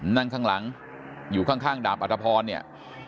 นั่งข้างหลังอยู่ข้างดาบอัตภพรเนี่ย